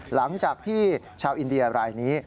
หลังจากที่ชาวอินเดียรายนี้